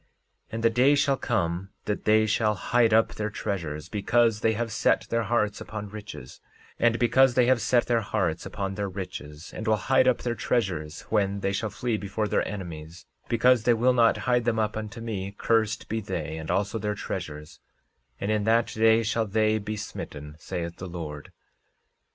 13:20 And the day shall come that they shall hide up their treasures, because they have set their hearts upon riches; and because they have set their hearts upon their riches, and will hide up their treasures when they shall flee before their enemies; because they will not hide them up unto me, cursed be they and also their treasures; and in that day shall they be smitten, saith the Lord.